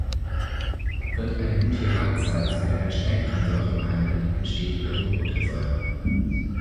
Wird ein Butyrat-Salz mit einer stärkeren Säure behandelt, entsteht wiederum Buttersäure.